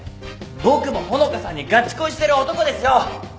僕も穂香さんにがち恋してる男ですよ！